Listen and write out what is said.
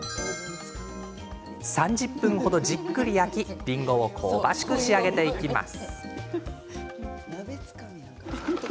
３０分程じっくり焼きりんごを香ばしく仕上げていきます。